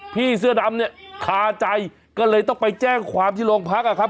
พี่เสื้อดำเนี่ยคาใจก็เลยต้องไปแจ้งความที่โรงพักอะครับ